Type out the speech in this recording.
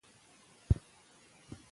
تعلیم د نوښت لامل ګرځي.